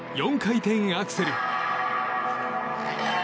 ４回転アクセル。